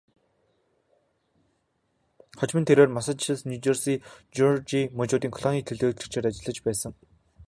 Хожим нь тэрээр Массачусетс, Нью Жерси, Жеоржия мужуудын колонийн төлөөлөгчөөр ажиллаж байсан.